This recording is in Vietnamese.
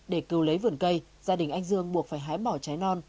để cứu lấy vườn cây gia đình anh dương buộc phải hái bỏ trái non